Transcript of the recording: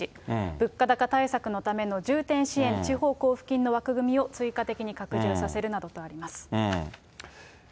物価高対策のための重点支援、地方交付金の枠組みを追加的に拡充させるなどとあります。